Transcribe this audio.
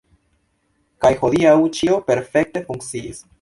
Kaj hodiaŭ ĉio perfekte funkciis.